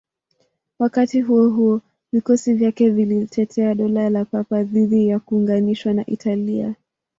Wakati huo huo, vikosi vyake vilitetea Dola la Papa dhidi ya kuunganishwa na Italia.